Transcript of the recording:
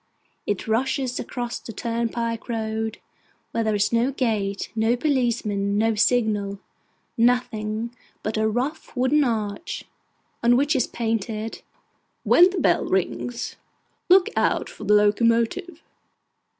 It rushes across the turnpike road, where there is no gate, no policeman, no signal: nothing but a rough wooden arch, on which is painted 'WHEN THE BELL RINGS, LOOK OUT FOR THE LOCOMOTIVE.